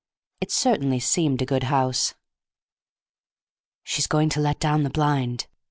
It certainly seemed a good house. "She's going to let down the blind!"